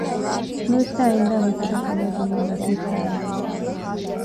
ނުވިސްނައި އިންދާ މިފަދަ ކަމެއްވުމުން ލަތީފް ހައިރާންވި